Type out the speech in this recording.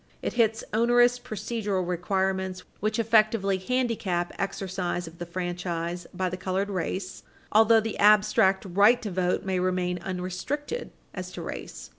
It hits onerous procedural requirements which effectively handicap exercise of the franchise by the colored race although the abstract right to vote may remain unrestricted as to race.